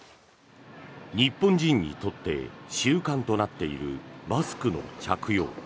日本人にとって習慣となっているマスクの着用。